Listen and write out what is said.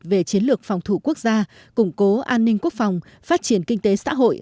về chiến lược phòng thủ quốc gia củng cố an ninh quốc phòng phát triển kinh tế xã hội